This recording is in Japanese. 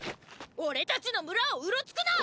おれたちの村をうろつくな！！